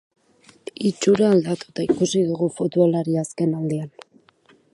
Itxura aldatuta ikusi dugu futbolaria azkenaldian.